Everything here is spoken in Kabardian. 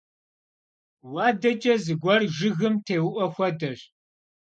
Vuadeç'e zıguer jjıgım têu'ue xuedeş.